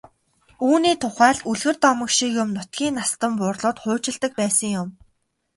Үүний тухай л үлгэр домог шиг юм нутгийн настан буурлууд хуучилдаг байсан юм.